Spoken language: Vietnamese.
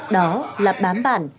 đó là bám bản